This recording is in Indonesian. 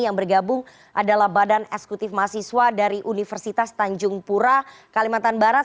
yang bergabung adalah badan eksekutif mahasiswa dari universitas tanjung pura kalimantan barat